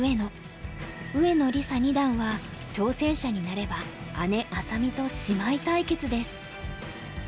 上野梨紗二段は挑戦者になれば姉愛咲美と姉妹対決です。